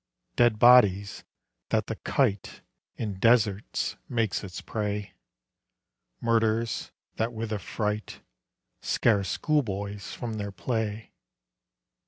Dead bodies, that the kite In deserts makes its prey; Murders, that with affright Scare schoolboys from their play!